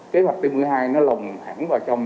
kế hoạch tiêm mũi hai nó lồng hẳn vào trong